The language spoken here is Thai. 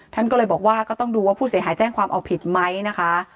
ท่านก็เลยบอกว่าก็ต้องดูว่าผู้เสียหายแจ้งความเอาผิดไหมนะคะ